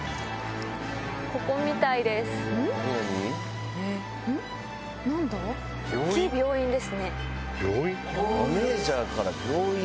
ここみたいです。